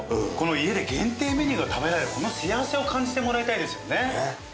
家で限定メニューが食べられるこの幸せを感じてもらいたいですよね。